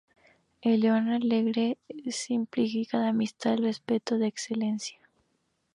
El león alegre ejemplifica la amistad, el respeto y la excelencia.